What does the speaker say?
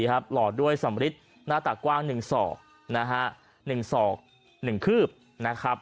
หลอดด้วยสำริดหน้าตากว้างหนึ่งสอกหนึ่งขืบ